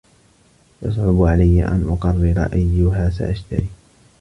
يصعب علي أن أقرر أيها سأشتري.